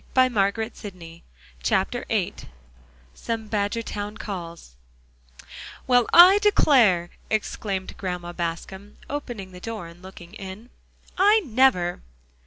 Do say yes, Mrs. Pepper!" VIII SOME BADGERTOWN CALLS "Well, I declare!" exclaimed Grandma Bascom, opening the door and looking in, "I never!"